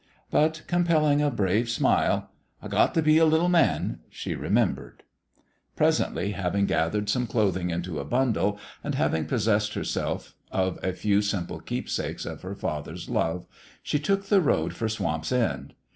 But, compelling a brave smile " I got t' be a little man," she remembered. Presently, having gathered some clothing into a bundle, and having possessed herself of a few simple keepsakes of her father's love, she took the road for Swamp's End.